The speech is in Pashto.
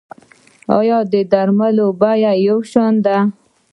آیا د درملو بیې یو شان دي؟